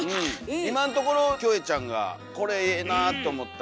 今んところキョエちゃんがこれええなと思ったのは？